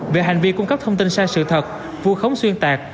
về hành vi cung cấp thông tin sai sự thật vu khống xuyên tạc